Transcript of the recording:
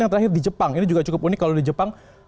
yang terakhir di jepang ini juga cukup unik kalau di jepang